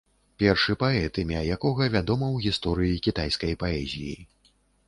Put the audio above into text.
Першы паэт, імя якога вядома ў гісторыі кітайскай паэзіі.